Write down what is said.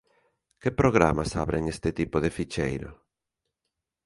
Que programas abren este tipo de ficheiro?